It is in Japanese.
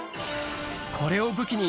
これを武器に